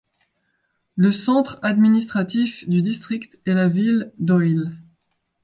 Le centre administratif du district est la ville d'Oiyl.